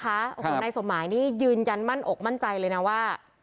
โอ้โหนายสมหมายนี่ยืนยันมั่นอกมั่นใจเลยนะว่า